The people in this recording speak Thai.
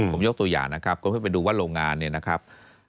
ผมยกตัวอย่างนะครับก็ให้ไปดูว่าโรงงานเนี่ยนะครับ